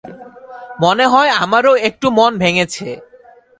মনে হয় আমারো একটু মন ভেঙেছে।